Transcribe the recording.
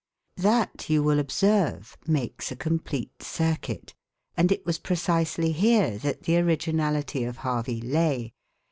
That, you will observe, makes a complete circuit; and it was precisely here that the originality of Harvey lay.